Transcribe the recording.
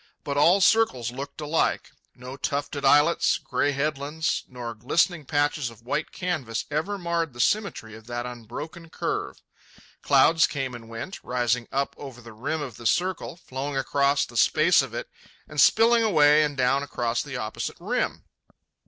But all circles looked alike. No tufted islets, gray headlands, nor glistening patches of white canvas ever marred the symmetry of that unbroken curve. Clouds came and went, rising up over the rim of the circle, flowing across the space of it, and spilling away and down across the opposite rim.